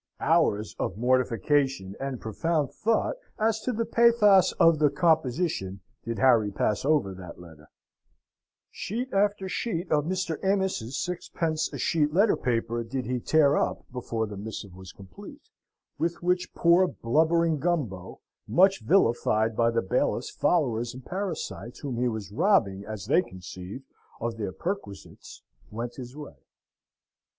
Hours of mortification and profound thought as to the pathos of the composition did Harry pass over that letter; sheet after sheet of Mr. Amos's sixpence a sheet letter paper did he tear up before the missive was complete, with which poor blubbering Gumbo (much vilified by the bailiff's followers and parasites, whom he was robbing, as they conceived, of their perquisites) went his way.